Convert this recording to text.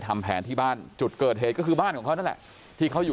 ทำแผนที่บ้านจุดเกิดเหตุก็คือบ้านของเขานั่นแหละที่เขาอยู่